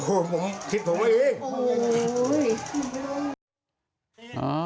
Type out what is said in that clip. โอ้โหคิดผมไว้เอง